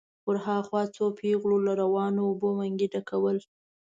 ور هاخوا څو پېغلو له روانو اوبو منګي ډکول.